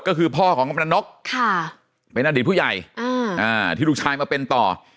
ก็คือพ่อของกำลังนกเป็นอดีตผู้ใหญ่ที่ลูกชายมาเป็นต่อ